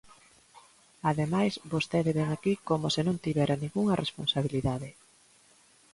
Ademais, vostede vén aquí coma se non tivera ningunha responsabilidade.